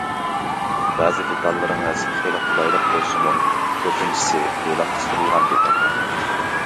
بەزى دېتاللىرىڭىز خېلى قولايلىق بولسىمۇ كۆپىنچىسى ئېلان قىستۇرۇلغان دېتاللار.